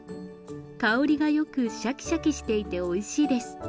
香りがよくしゃきしゃきしていておいしいです。